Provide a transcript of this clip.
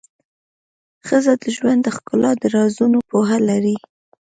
ښځه د ژوند د ښکلا د رازونو پوهه لري.